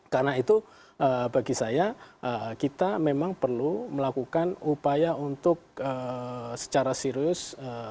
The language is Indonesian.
karena itu bagi saya kita memang perlu melakukan upaya untuk secara serius